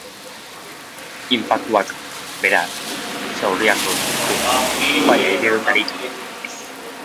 Inpaktuak, beraz, zauriak sortzen ditu, baina heriotzarik ez.